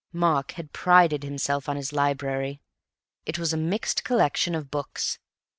Mark had prided himself on his library. It was a mixed collection of books.